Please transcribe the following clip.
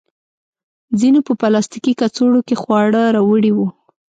ځینو په پلاستیکي کڅوړو کې خواړه راوړي وو.